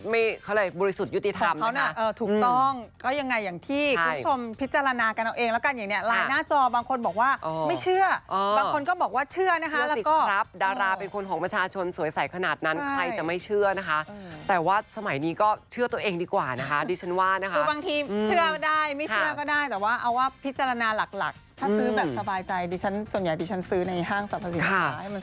ไม่เชื่อบางคนก็บอกว่าเชื่อนะคะเชื่อสิครับดาราเป็นคนของประชาชนสวยใสขนาดนั้นใครจะไม่เชื่อนะคะแต่ว่าสมัยนี้ก็เชื่อตัวเองดีกว่านะคะดิฉันว่านะคะกูบางทีเชื่อได้ไม่เชื่อก็ได้แต่ว่าเอาว่าพิจารณาหลักถ้าซื้อแบบสบายใจส่วนใหญ่ดิฉันซื้อในห้างสรรพสิทธิ์ค่ะ